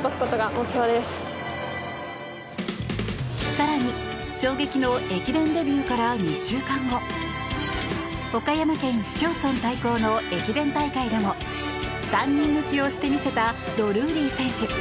更に、衝撃の駅伝デビューから２週間後岡山県市町村対抗の駅伝大会でも３人抜きをして見せたドルーリー選手。